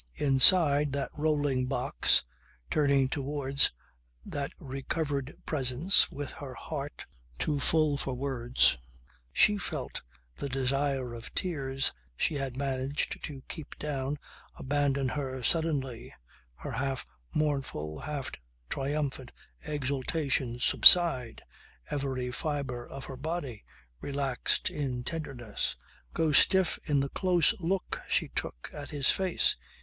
Inside that rolling box, turning towards that recovered presence with her heart too full for words she felt the desire of tears she had managed to keep down abandon her suddenly, her half mournful, half triumphant exultation subside, every fibre of her body, relaxed in tenderness, go stiff in the close look she took at his face.